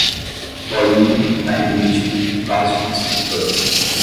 bolinha, arrebite, vasoconstrictor